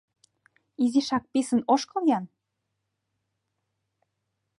— Изишак писын ошкыл-ян!